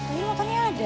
ini motornya ada